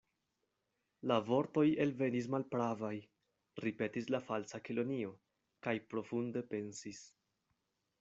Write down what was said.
"La vortoj elvenis malpravaj," ripetis la Falsa Kelonio, kaj profunde pensis.